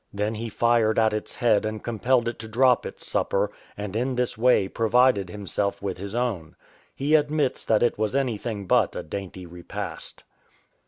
Then he fired at its head and compelled it to drop its supper, and in this way provided himself with his own. He admits that it was anything but a dainty repast.